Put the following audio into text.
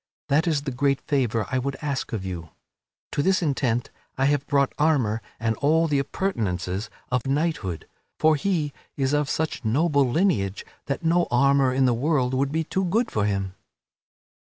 That is the great favor I would ask of you. To this intent I have brought armor and all the appurtenances of knighthood; for he is of such noble lineage that no armor in the world could be too good for him."